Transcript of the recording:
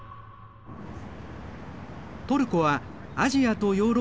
トルコはアジアとヨーロッパの中間地点。